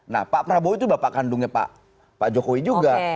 nah pak prabowo itu bapak kandungnya pak jokowi juga